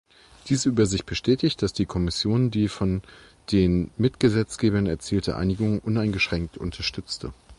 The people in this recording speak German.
Diese Übersicht bestätigt, dass die Kommission die von den Mitgesetzgebern erzielte Einigung uneingeschränkt unterstützt.